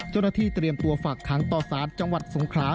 เจ้าหน้าที่เตรียมตัวฝากค้างต่อศาสตร์จังหวัดทรงขลา